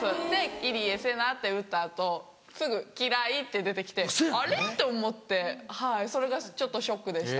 「入江聖奈」って打った後すぐ「嫌い」って出て来てあれ？って思ってはいそれがちょっとショックでした。